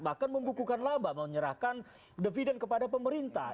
bahkan membukukan laba menyerahkan dividen kepada pemerintah